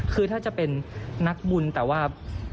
คือถ้าจะเป็นนักบุญแต่ว่า